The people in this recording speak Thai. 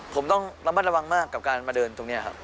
ผมต้องระมัดระวังมากกับการมาเดินตรงนี้ครับ